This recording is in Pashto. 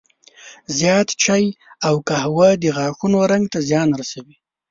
زیات چای او قهوه د غاښونو رنګ ته زیان رسوي.